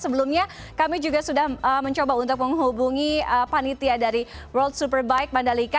sebelumnya kami juga sudah mencoba untuk menghubungi panitia dari world superbike mandalika